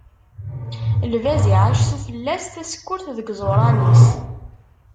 Lbaz iɛac sufella-s, tasekkurt deg yiẓuran-is.